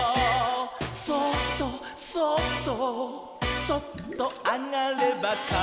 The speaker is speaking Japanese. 「そっとそっとそっとあがればからだの」